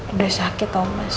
udah sakit thomas